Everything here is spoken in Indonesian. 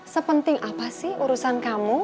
sepenting apa sih urusan kamu